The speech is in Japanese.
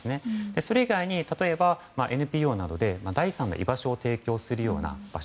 それ以外にもＮＰＯなどで第三の居場所を提供するような場所。